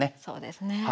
そうですね。